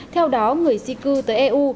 theo đó người di cư tới eu